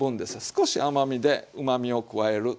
少し甘みでうまみを加える。